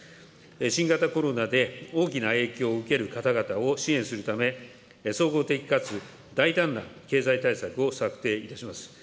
新型コロナで大きな影響を受ける方々を支援するため、総合的かつ大胆な経済対策を策定いたします。